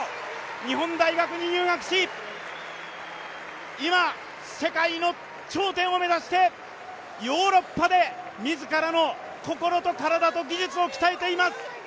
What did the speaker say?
日本大学に入学し、今、世界の頂点を目指して、ヨーロッパで自らの心と体と技術を鍛えています。